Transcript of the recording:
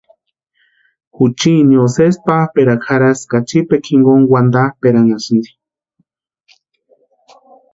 Juchinio sesi pápʼerakwa jarhasïnti ka tsipekwa jonkoni wantapʼeranhasïnti.